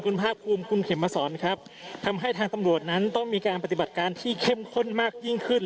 คุณภาคภูมิคุณเข็มมาสอนครับทำให้ทางตำรวจนั้นต้องมีการปฏิบัติการที่เข้มข้นมากยิ่งขึ้น